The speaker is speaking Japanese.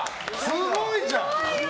すごいじゃん！